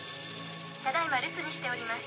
ただ今留守にしております。